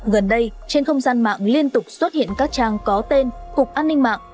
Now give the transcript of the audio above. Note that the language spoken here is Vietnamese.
gần đây trên không gian mạng liên tục xuất hiện các trang có tên cục an ninh mạng